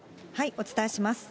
お伝えします。